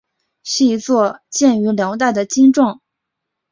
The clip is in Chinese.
是一座建于辽代的经幢。